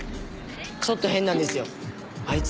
ちょっと変なんですよあいつ。